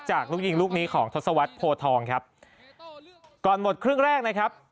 ลูกยิงลูกนี้ของทศวรรษโพทองครับก่อนหมดครึ่งแรกนะครับ